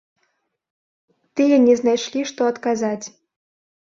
Тыя не знайшлі, што адказаць.